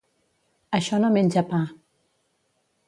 Això no menja pa.